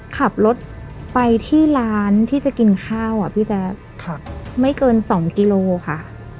ขับรถไปที่ร้านที่จะกินข้าวอ่ะพี่แจ๊คไม่เกิน๒กิโลค่ะ